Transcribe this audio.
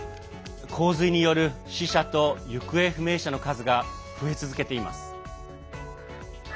洪水による死者と行方不明者の数が増え続けています。